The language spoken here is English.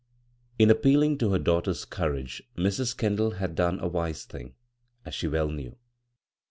In appealing to her daughter's courage Mrs. Kendall had done a wise thing, as she well knew.